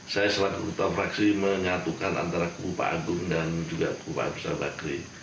saya selalu berfraksi mengatukan antara kubu pak agung dan juga kubu pak abisabakri